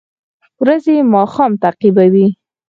ورځې ماښام تعقیبوي